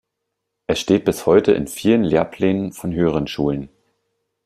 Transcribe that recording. Es steht bis heute in vielen Lehrplänen von höheren Schulen.